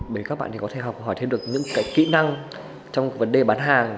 bởi các bạn có thể học hỏi thêm được những kỹ năng trong vấn đề bán hàng